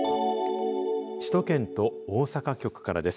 首都圏と大阪局からです。